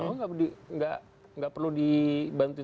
oh tidak perlu dibantu